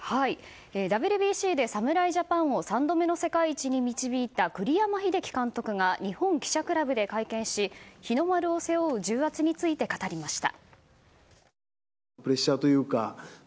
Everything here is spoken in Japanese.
ＷＢＣで侍ジャパンを３度目の世界一に導いた栗山英樹監督が日本記者クラブで会見し日の丸を背負う重圧について語りました。